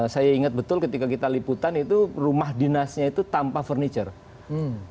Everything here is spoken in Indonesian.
saya ingat betul ketika kita liputan itu rumah dinasnya itu tanpa furniture